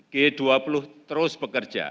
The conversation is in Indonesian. g dua puluh terus bekerja